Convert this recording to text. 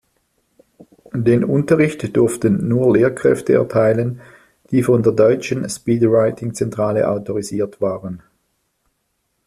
Den Unterricht durften nur Lehrkräfte erteilen, die von der Deutschen Speedwriting-Zentrale autorisiert waren.